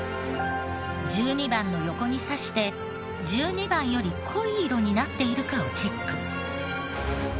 １２番の横にさして１２番より濃い色になっているかをチェック。